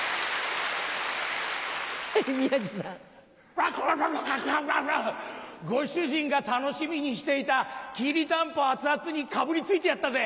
ワンワンワンワンワンご主人が楽しみにしていたきりたんぽ熱々にかぶり付いてやったぜ。